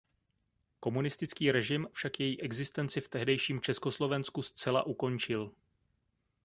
Komunistický režim však její existenci v tehdejším Československu zcela ukončil.